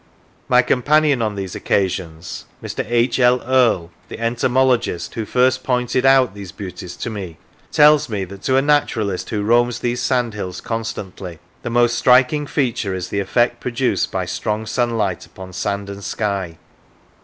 My companion on these occasions, Mr. H. L. Earl, the entomologist, who first pointed out these Lancashire beauties to me, tells me that to a naturalist who roams these sandhills constantly the most striking feature is the effect produced by strong sunlight upon sand and sky.